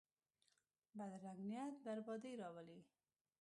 بدرنګه نیت بربادي راولي